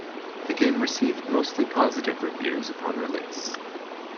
The game received mostly positive reviews upon release.